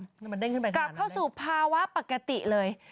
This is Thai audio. กลับเข้าสู่ภาวะปกติเลย